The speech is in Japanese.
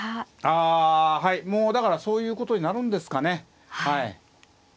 あはいもうだからそういうことになるんですかね。